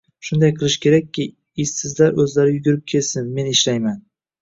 Shunday qilish kerakki, ishsizlar o‘zlari yugurib kelsin men ishlayman